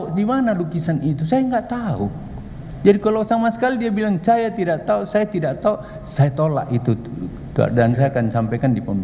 saksi yang lain ada tanggapan